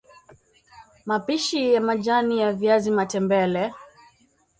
Mapishi ya majani ya viazi Matembele